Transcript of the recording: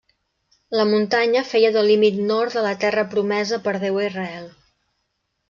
La muntanya feia de límit nord de la terra promesa per Déu a Israel.